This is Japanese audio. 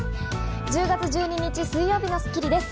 １０月１２日、水曜日の『スッキリ』です。